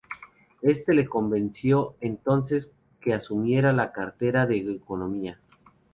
Éste le convenció entonces que asumiera la cartera de Economía.